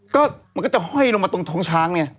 ก็มันก็จะห้อยลงมาตรงท้องช้างไง